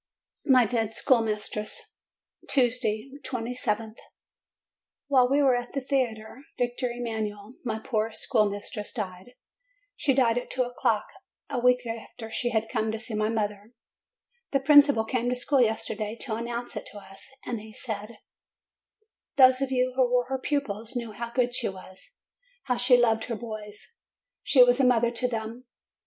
MY DEAD SCHOOLMISTRESS Tuesday, 2/th. While we were at the Theatre Victor Emanuel, my poor schoolmistress died. She died at two o'clock, a week after she had come to see my mother. The principal came to the school yesterday morning to announce it to us; and he said: 'Those of you who were her pupils know how good she was, how she loved her boys; she was a mother to them.